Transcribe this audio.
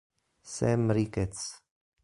Sam Ricketts